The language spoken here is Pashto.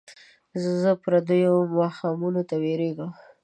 زه پردیو ماښامونو نه ویرېږم